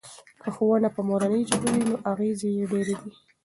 که ښوونه په مورنۍ ژبه وي نو اغیز یې ډیر دی.